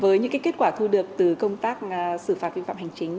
với những kết quả thu được từ công tác xử phạt vi phạm hành chính